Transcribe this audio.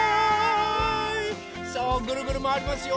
さあぐるぐるまわりますよ。